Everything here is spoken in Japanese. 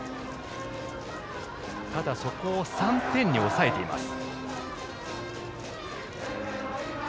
ただ、そこを３点に抑えています。